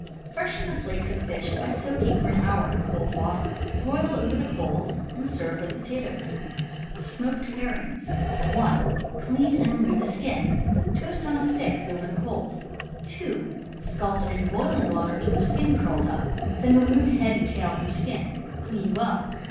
— Freshen the flakes of fish by soaking for an hour in cold water. Broil over the coals, and serve with potatoes. Smoked Herrings. — (1) Clean, and remove the skin. Toast on a stick over the coals. (2) Scald in boiling water till the skin curls up, then remove head, tail, and skin. Clean well.